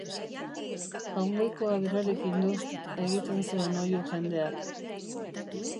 Jaungoikoa berarekin du!, egiten zuen oihu jendeak.